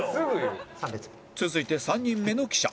続いて３人目の記者